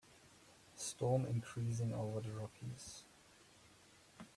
Storm increasing over the Rockies.